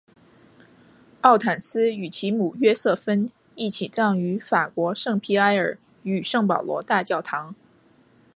奥坦丝与其母约瑟芬一起葬于法国圣皮埃尔与圣保罗大教堂。